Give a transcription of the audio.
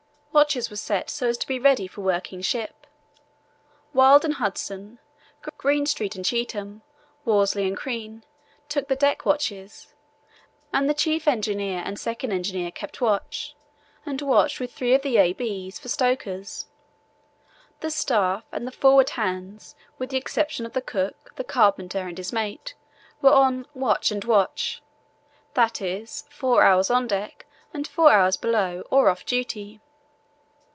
Watches were set so as to be ready for working ship. Wild and Hudson, Greenstreet and Cheetham, Worsley and Crean, took the deck watches, and the Chief Engineer and Second Engineer kept watch and watch with three of the A.B.'s for stokers. The staff and the forward hands, with the exception of the cook, the carpenter and his mate, were on "watch and watch"—that is, four hours on deck and four hours below, or off duty.